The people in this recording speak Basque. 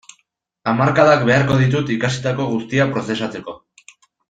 Hamarkadak beharko ditut ikasitako guztia prozesatzeko.